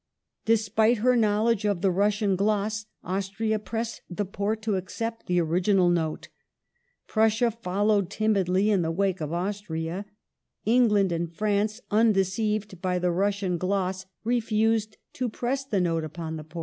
Despite her knowledge of the Russian gloss, Austi'ia pressed the Porte to accept the original Note 1 Prussia followed timidly in the wake of Austiia ; England and\ France, undeceived by tlie Russian gloss, refused to press the Note upon the Porte.